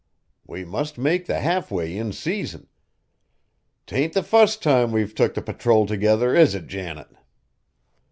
We must make the halfway in season. 'T ain't the fust time we've took the patrol together, is it, Janet?"